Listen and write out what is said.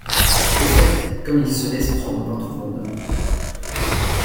Au fait, comme il se laisse prendre par tout le monde.